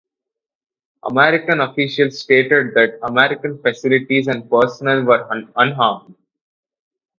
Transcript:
American officials stated that American facilities and personnel were unharmed.